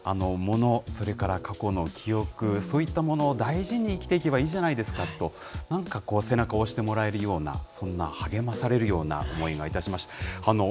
モノ、それから過去の記憶、そういったものを大事に生きていけばいいじゃないですかと、なんか背中を押してもらえるような、そんな励まされるような思いがいたしました。